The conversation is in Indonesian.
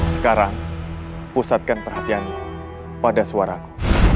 sekarang pusatkan perhatianmu pada suaraku